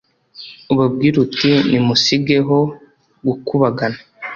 ubabwire uti nimusigeho gukubagana